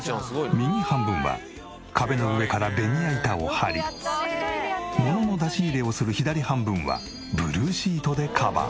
右半分は壁の上からベニヤ板を張り物の出し入れをする左半分はブルーシートでカバー。